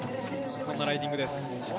そんなライディングです。